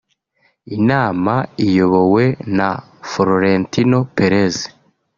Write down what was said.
inama iyobowe na Florentino Perez